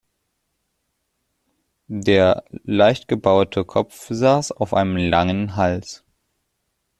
Der leicht gebaute Kopf saß auf einem langen Hals.